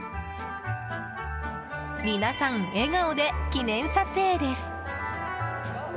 皆さん、笑顔で記念撮影です。